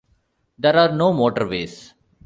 There are no motorways.